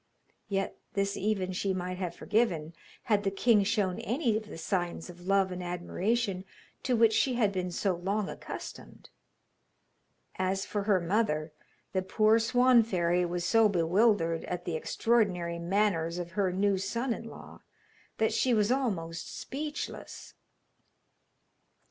Yet this even she might have forgiven had the king shown any of the signs of love and admiration to which she had been so long accustomed. As for her mother, the poor Swan fairy was so bewildered at the extraordinary manners of her new son in law, that she was almost speechless.